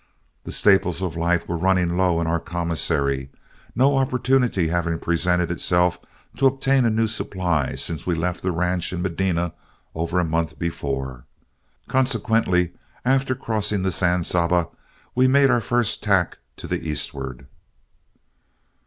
The staples of life were running low in our commissary, no opportunity having presented itself to obtain a new supply since we left the ranch in Medina over a month before. Consequently, after crossing the San Saba, we made our first tack to the eastward.